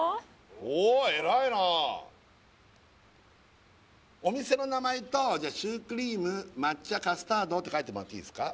おっ偉いなお店の名前とシュークリーム抹茶カスタードって書いてもらっていいですか？